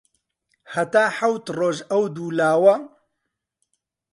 هەتا حەوت ڕۆژ ئەو دوو لاوە